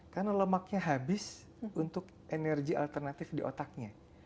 karena lemaknya habis untuk energi alternatif di otaknya